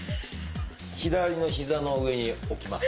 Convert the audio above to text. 左の膝の上に置きますね。